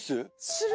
する？